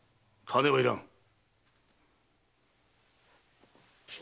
金はいらん。